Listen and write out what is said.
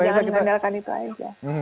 jangan mengandalkan itu aja